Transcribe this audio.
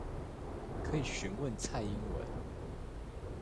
可以詢問蔡英文